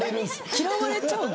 嫌われちゃうの？